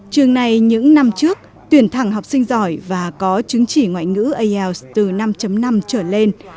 trường này những năm trước tuyển thẳng học sinh giỏi và có chứng chỉ ngoại ngữ ielts từ năm năm trở lên